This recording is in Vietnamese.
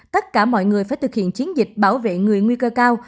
tất cả mọi người phải thực hiện chiến dịch bảo vệ người nguy cơ cao